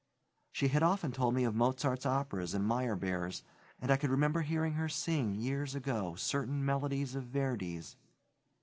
She had often told me of Mozart's operas and Meyerbeer's, and I could remember hearing her sing, years ago, certain melodies of Verdi's.